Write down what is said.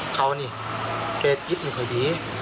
เขาเนี่ยเกลียดจิตไม่ค่อยดี